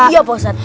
iya pak ustadz